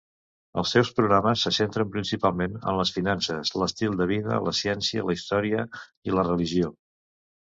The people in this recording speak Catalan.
Els seus programes se centren principalment en les finances, l'estil de vida, la ciència, la història i la religió.